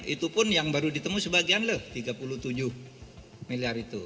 itu pun yang baru ditemu sebagian loh tiga puluh tujuh miliar itu